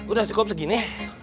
udah cukup segini